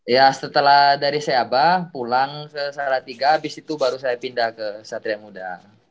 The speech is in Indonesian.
ya setelah dari seaba pulang ke sahara tiga abis itu baru saya pindah ke satria muda